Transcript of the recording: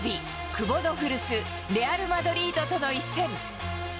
久保の古巣、レアル・マドリードとの一戦。